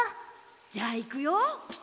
じゃあいくよ。